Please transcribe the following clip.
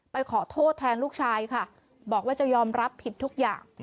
ขอโทษแทนลูกชายค่ะบอกว่าจะยอมรับผิดทุกอย่าง